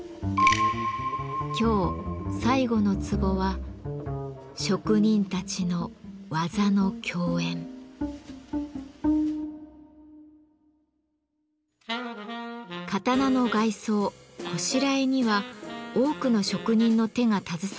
今日最後のツボは刀の外装「拵」には多くの職人の手が携わっています。